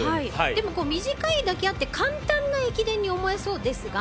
でも、短いだけあって簡単な駅伝に思えそうですが。